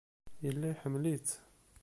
Yella iḥemmel-itt.